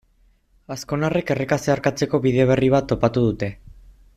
Azkonarrek erreka zeharkatzeko bide berri bat topatu dute.